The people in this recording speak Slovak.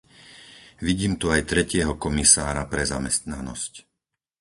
Vidím tu aj tretieho komisára pre zamestnanosť.